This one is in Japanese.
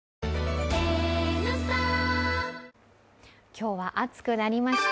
今日は暑くなりました。